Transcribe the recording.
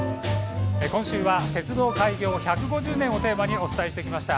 今週は鉄道開業１５０年をテーマにお伝えしてきました。